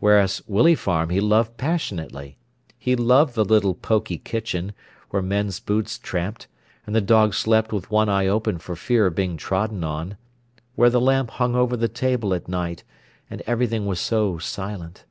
Whereas Willey Farm he loved passionately. He loved the little pokey kitchen, where men's boots tramped, and the dog slept with one eye open for fear of being trodden on; where the lamp hung over the table at night, and everything was so silent.